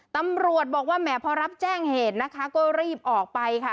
ตำรวจบอกว่าแหมพอรับแจ้งเหตุนะคะก็รีบออกไปค่ะ